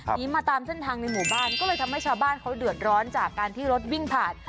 หนีมาตามเส้นทางในหมู่บ้านก็เลยทำให้ชาวบ้านเขาเดือดร้อนจากการที่รถวิ่งผ่าน